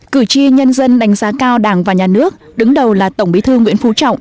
cử tri nhân dân đánh giá cao đảng và nhà nước đứng đầu là tổng bí thư nguyễn phú trọng